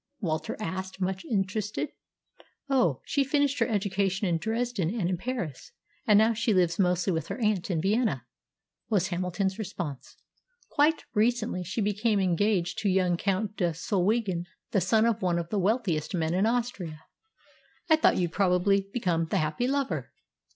Walter asked, much interested. "Oh, she finished her education in Dresden and in Paris, and now lives mostly with her aunt in Vienna," was Hamilton's response. "Quite recently she's become engaged to young Count de Solwegen, the son of one of the wealthiest men in Austria." "I thought you'd probably become the happy lover."